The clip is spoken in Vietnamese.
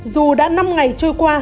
dù đã năm ngày trôi qua